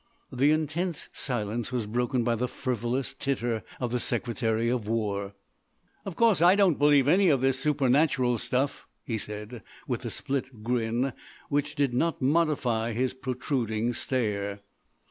The intense silence was broken by the frivolous titter of the Secretary of War: "Of course I don't believe any of this supernatural stuff," he said with the split grin which did not modify his protruding stare.